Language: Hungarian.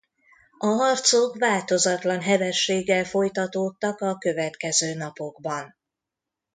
A harcok változatlan hevességgel folytatódtak a következő napokban.